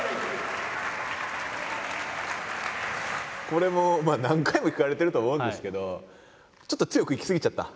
これも何回も聞かれてると思うんですけどちょっと強くいき過ぎちゃった？